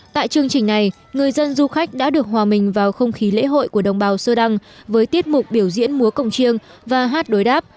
tại chương trình này người dân du khách đã được hòa mình vào không khí lễ hội của đồng bào sơ đăng với tiết mục biểu diễn múa cổng chiêng và hát đối đáp